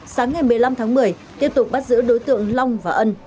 sáng ngày một mươi năm tháng một mươi tiếp tục bắt giữ đối tượng long và ân